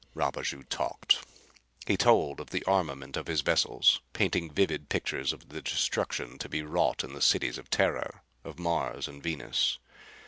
Rapaju talked. He told of the armament of his vessels, painting vivid pictures of the destruction to be wrought in the cities of Terra, of Mars and Venus.